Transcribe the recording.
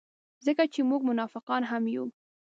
ځکه چې موږ منافقان هم یو.